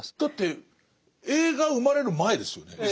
だって映画生まれる前ですよね。